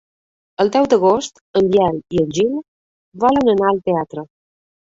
El deu d'agost en Biel i en Gil volen anar al teatre.